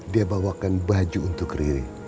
dia bawakan baju untuk riri